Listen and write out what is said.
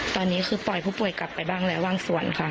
ตอนนี้คือปล่อยผู้ป่วยกลับไปบ้างแล้วบางส่วนค่ะ